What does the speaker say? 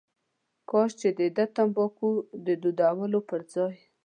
کاش چې دده تنباکو د دودولو پر ځای.